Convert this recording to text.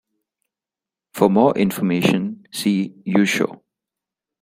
For more information, see yūshō.